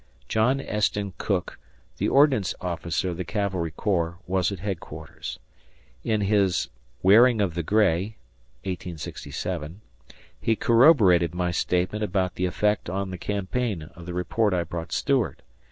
John Esten Cooke, the Ordnance Officer of the cavalry corps, was at headquarters. In his "Wearing of the Gray" (1867) he corroborated my statement about the effect on the campaign of the report I brought Stuart.